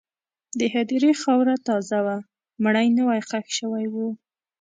د هدیرې خاوره تازه وه، مړی نوی ښخ شوی و.